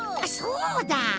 そうだ！